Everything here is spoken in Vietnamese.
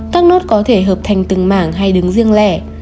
các nốt có thể hợp thành từng mảng hay đứng riêng lẻ